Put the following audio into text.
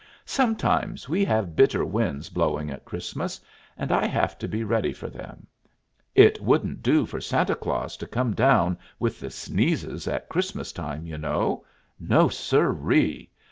"Sometimes we have bitter winds blowing at Christmas, and I have to be ready for them. It wouldn't do for Santa Claus to come down with the sneezes at Christmas time, you know no, sirree!